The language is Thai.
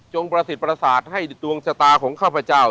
จงประสิทธิปราศาสตร์ให้ตรวงสตาของข้าวพระเจ้า